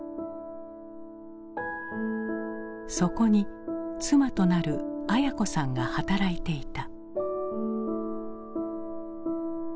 そこに妻となる文子さんが働いていた。